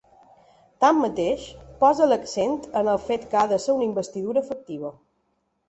Tanmateix, posa l’accent en el fet que ha de ser una investidura efectiva.